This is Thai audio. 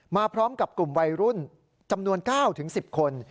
มาพร้อมกับกลุ่มวัยรุ่นจำนวน๙๑๐คน